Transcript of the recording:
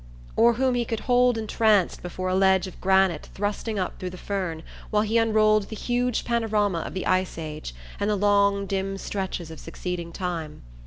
or whom he could hold entranced before a ledge of granite thrusting up through the fern while he unrolled the huge panorama of the ice age, and the long dim stretches of succeeding time.